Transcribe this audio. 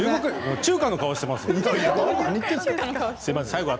中華の顔をしていますよ。